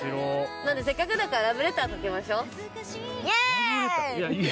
なんでせっかくだからラブレターいや。